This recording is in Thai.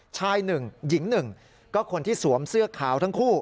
ชาย๑หญิง๑ก็คนที่สวมเสื้อขาวทั้งคู่